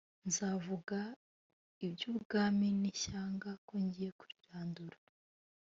nzavuga iby ubwami n ishyanga ko ngiye kurirandura